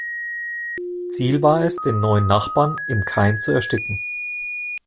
Ziel war es, den neuen Nachbarn im Keim zu ersticken.